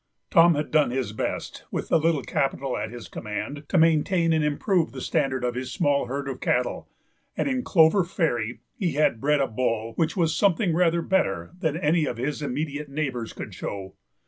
Tom had done his best, with the little capital at his command, to maintain and improve the standard of his small herd of cattle, and in Clover Fairy he had bred a bull which was something rather better than any that his immediate neighbours could show.